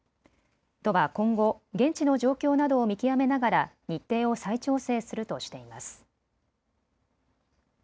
都は今後、現地の状況などを見極めながら日程を再調整するとしています。